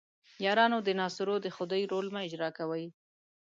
یارانو د ناصرو د خدۍ رول مه اجراء کوئ.